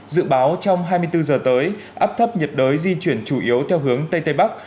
dự báo trong hai mươi bốn giờ tới áp thấp nhiệt đới di chuyển chủ yếu theo hướng tây tây bắc